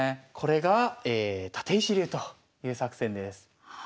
これが立石流という作戦です。